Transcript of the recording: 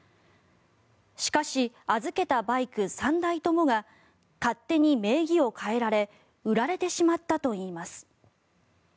しかし、預けたバイク３台ともが勝手に名義を変えられ売られてしまったといいます。